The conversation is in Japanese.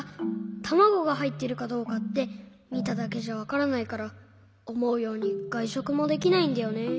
たまごがはいってるかどうかってみただけじゃわからないからおもうようにがいしょくもできないんだよね。